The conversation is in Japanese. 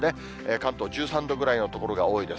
関東１３度ぐらいの所が多いです。